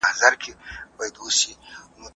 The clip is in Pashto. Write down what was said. موږ دواړه زده کوو.